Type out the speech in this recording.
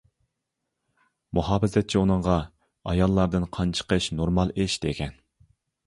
مۇھاپىزەتچى ئۇنىڭغا: «ئاياللاردىن قان چىقىش نورمال ئىش!» دېگەن.